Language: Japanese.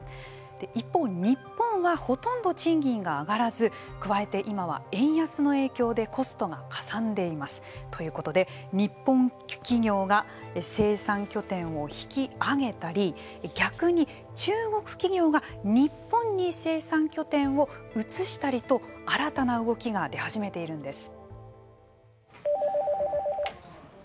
一方、日本はほとんど賃金が上がらず加えて、今は円安の影響でコストがかさんでいます。ということで、日本企業が生産拠点を引き揚げたり逆に中国企業が日本に生産拠点を移したりと新たな動きが出始めているんです。